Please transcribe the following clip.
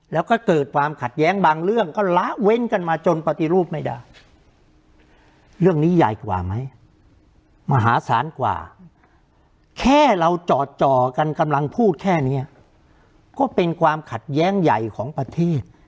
แล้วก็เกิดความขัดแย้งบางเรื่องก็ละเว้นกันมาจนปฏิรูปไม่ได้เรื่องนี้ใหญ่กว่าไหมมหาศาลกว่าแค่เราจ่อกันกำลังพูดแค่นี้ก็เป็นความขัดแย้งใหญ่ของประเทศ